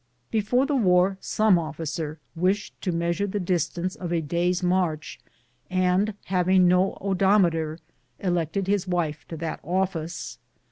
Before the war some officer wished to measure the distance of a day's march, and having no odometer elected his wife to that office.